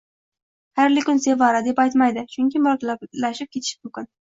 — Xayrli kun, Sevara, deb aytmaydi, chunki murakkablashib ketishi mumkin.